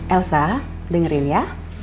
elsa dengerin ya